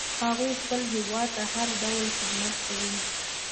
هغوی خپل هیواد ته هر ډول خدمت کوي